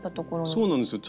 そうなんですよ。